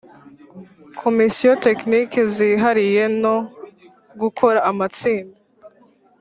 Komisiyo tekiniki zihariye no gukora amatsinda